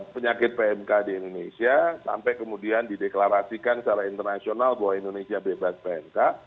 penyakit pmk di indonesia sampai kemudian dideklarasikan secara internasional bahwa indonesia bebas pmk